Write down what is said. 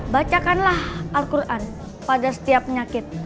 bacakanlah al quran pada setiap penyakit